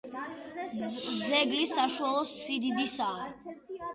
ძეგლი საშუალო სიდიდისაა.